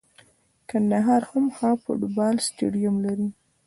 کندهار هم ښه فوټبال سټیډیم لري.